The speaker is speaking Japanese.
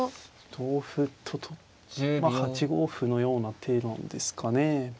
同歩と取ってまあ８五歩のような手なんですかね。